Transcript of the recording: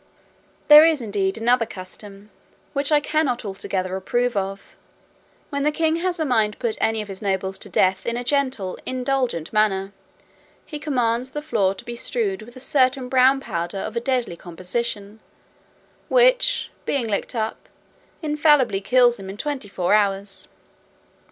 There is indeed another custom, which I cannot altogether approve of: when the king has a mind to put any of his nobles to death in a gentle indulgent manner, he commands the floor to be strewed with a certain brown powder of a deadly composition, which being licked up, infallibly kills him in twenty four hours.